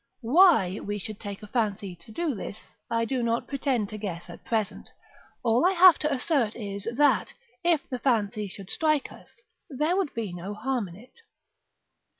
(Why we should take a fancy to do this, I do not pretend to guess at present; all I have to assert is, that, if the fancy should strike us, there would be no harm in it).